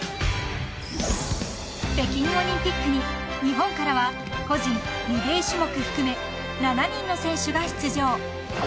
［北京オリンピックに日本からは個人リレー種目含め７人の選手が出場］